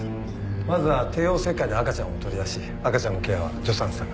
まずは帝王切開で赤ちゃんを取り出し赤ちゃんのケアは助産師さんが。